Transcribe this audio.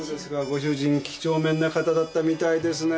ご主人几帳面な方だったみたいですね。